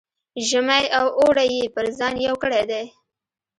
ژمی او اوړی یې پر ځان یو کړی دی.